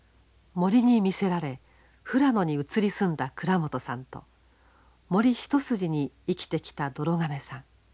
森に魅せられ富良野に移り住んだ倉本さんと森一筋に生きてきたどろ亀さん。